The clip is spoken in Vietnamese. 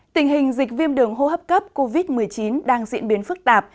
tình hình dịch viêm đường hô hấp cấp covid một mươi chín đang diễn biến phức tạp